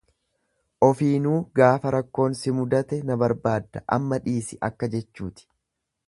Ofiinuu gaafa rakkoon si mudate na barbaadda amma dhiisi akka jechuuti.